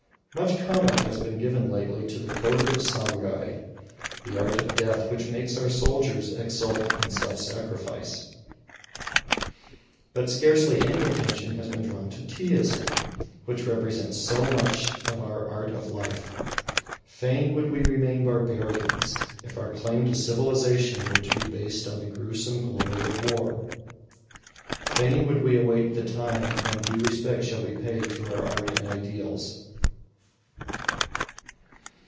Much comment has been given lately to the Code of the Samurai, the Art of Death which makes our soldiers exult in self sacrifice; but scarcely any attention has been drawn to Teaism, which represents so much of our Art of Life. Fain would we remain barbarians, if our claim to civilisation were to be based on the gruesome glory of war. Fain would we await the time when due respect shall be paid to our art and ideals.